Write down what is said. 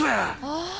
ああ。